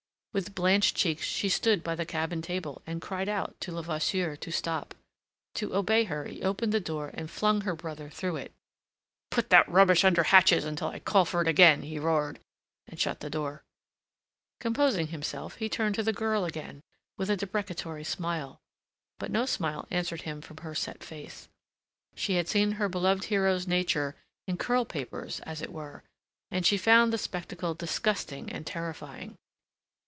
With blanched cheeks she stood by the cabin table, and cried out to Levasseur to stop. To obey her, he opened the door, and flung her brother through it. "Put that rubbish under hatches until I call for it again," he roared, and shut the door. Composing himself, he turned to the girl again with a deprecatory smile. But no smile answered him from her set face. She had seen her beloved hero's nature in curl papers, as it were, and she found the spectacle disgusting and terrifying.